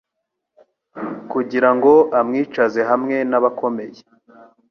kugira ngo amwicaze hamwe n’abakomeye